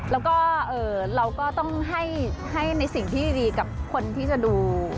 แล้วก็เราก็ต้องให้ในสิ่งที่ดีกับคนที่จะดู